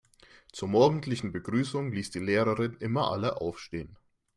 Zur morgendlichen Begrüßung ließ die Lehrerin immer alle aufstehen.